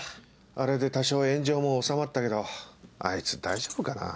あれで多少炎上も収まったけどあいつ大丈夫かな？